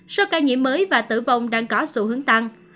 số ca nhiễm mới và tử vong đang có xu hướng tăng